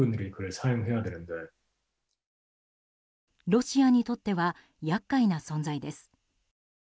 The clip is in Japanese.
ロシアにとっては厄介な存在です。